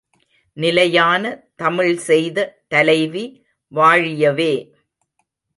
நிலையான தமிழ்செய்த தலைவிவா ழியவே!